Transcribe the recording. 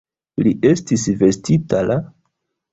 Li estis vestita la?